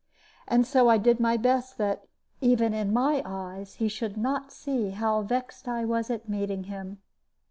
And so I did my best that, even in my eyes, he should not see how vexed I was at meeting him.